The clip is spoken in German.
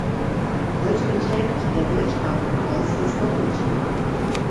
Heute beträgt der Weltmarktpreis das Doppelte.